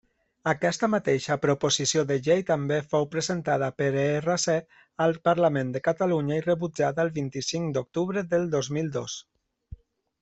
Aquesta mateixa proposició de llei també fou presentada per ERC al Parlament de Catalunya i rebutjada el vint-i-cinc d'octubre del dos mil dos.